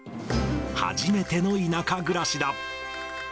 初めての田舎暮らしだ。